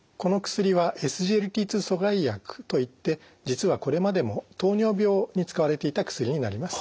２阻害薬といって実はこれまでも糖尿病に使われていた薬になります。